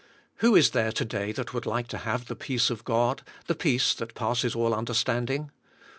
Who is there to day that would like to have the peace of God, the peace that passes all understanding?